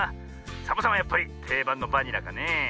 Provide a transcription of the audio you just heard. サボさんはやっぱりていばんのバニラかねえ。